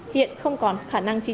hiện không còn khả năng chi trả